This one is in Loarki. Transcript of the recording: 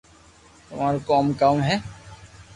تمارو ڪوم ڪاؤ ھي